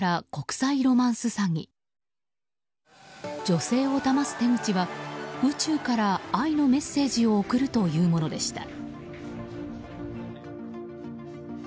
女性をだます手口は宇宙から愛のメッセージを送るというものでした。